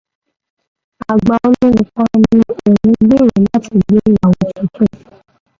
Àgbà olórin kan ní òun ń gbèèrò láti gbé ìyàwó tuntun.